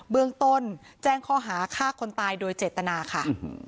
เมืองต้นแจ้งข้อหาฆ่าคนตายโดยเจตนาค่ะ